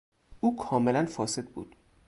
او کاملا فاسد بود.